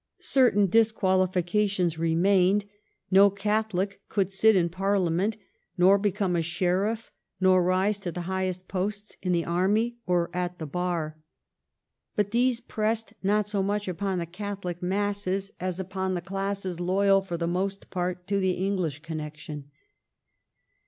Certain disqualifications remained : no Catholic could sit in Parlia ment, nor become a Sheriff, nor rise to the highest posts in the Army or at the Bar. But these pressed not so much upon the Catholic masses as upon the classes loyal for the most part to the English connection.